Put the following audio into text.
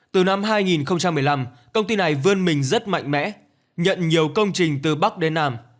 từ năm hai nghìn một mươi năm công ty này vươn mình rất mạnh mẽ nhận nhiều công trình từ bắc đến nam